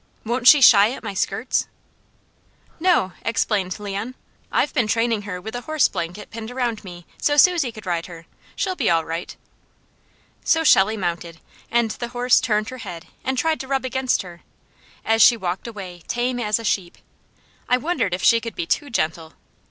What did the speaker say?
Won't she shy at my skirts?" "No," explained Leon. "I've been training her with a horse blanket pinned around me, so Susie could ride her! She'll be all right." So Shelley mounted, and the horse turned her head, and tried to rub against her, as she walked away, tame as a sheep. I wondered if she could be too gentle.